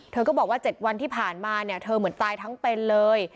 เธอก็บอกว่า๗วันที่ผ่านมาเนี่ยเธอเหมือนตายทั้งเป็นเลย